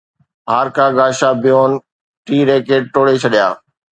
هارڪاغاشابيون ٽي ريڪٽ ٽوڙي ڇڏيا